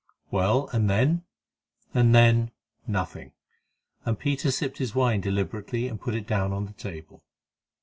"Well, and then?" "And then—nothing," and Peter sipped his wine deliberately and put it down upon the table.